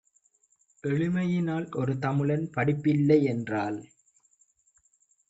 எளிமையினால் ஒருதமிழன் படிப்பில்லை யென்றால்